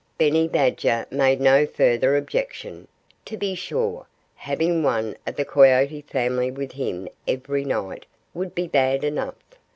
Benny Badger made no further objection. To be sure, having one of the Coyote family with him every night would be bad enough.